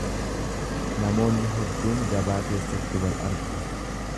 Namoonni hedduun gabaa keessatti wal argu.